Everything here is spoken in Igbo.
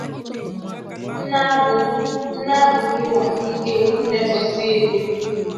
n'abụghịkwa nke mmefusi ego